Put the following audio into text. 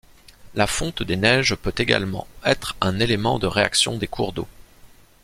La fonte des neiges peut également être un élément de réaction des cours d'eau.